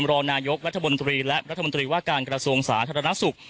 รองนายกรัฐมนตรีและรัฐมนตรีว่าการกระทรวงสาธารณสุข